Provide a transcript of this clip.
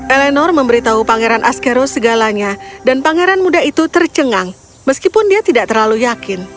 eleanor memberitahu pangeran askero segalanya dan pangeran muda itu tercengang meskipun dia tidak terlalu yakin